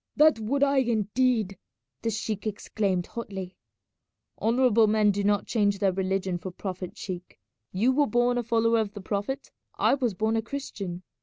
"That would I indeed!" the sheik exclaimed hotly. "Honourable men do not change their religion for profit, sheik. You were born a follower of the Prophet, I was born a Christian.